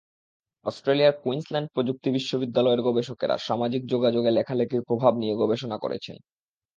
অস্ট্রেলিয়ার কুইন্সল্যান্ড প্রযুক্তি বিশ্ববিদ্যালয়ের গবেষকেরা সামাজিক যোগাযোগে লেখালেখির প্রভাব নিয়ে গবেষণা করেছেন।